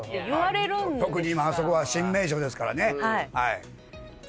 特に今あそこは新名所ですからね。